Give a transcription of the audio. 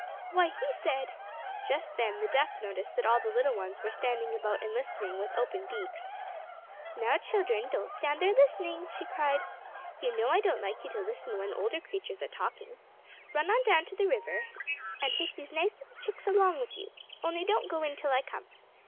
"Why he said—" Just then the duck noticed that all the little ones were standing about and listening with open beaks. [Illustration: "Now, children, I am going to market," she said] "Now, children, don't stand there listening," she cried. "You know I don't like you to listen when older creatures are talking. Run on down to the river, and take these nice little chicks along with you—only don't go in till I come.